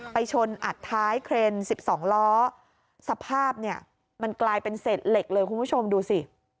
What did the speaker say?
ชนอัดท้ายเครนสิบสองล้อสภาพเนี่ยมันกลายเป็นเศษเหล็กเลยคุณผู้ชมดูสิ